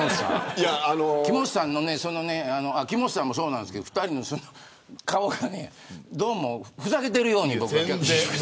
木本さんのそのね木本さんも、そうなんですけど２人の顔がどうもふざけているように、僕には。